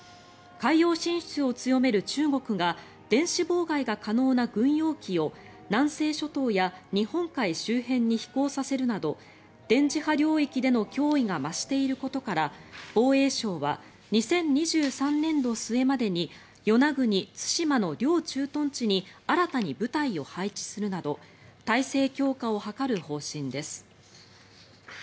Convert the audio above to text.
海洋進出を強める中国が電子妨害が可能な軍用機を南西諸島や日本海周辺に飛行させるなど電磁波領域での脅威が増していることから防衛省は２０２３年度末までに与那国、対馬の両駐屯地に新たに部隊を配置するなど体制強化を図る方針です。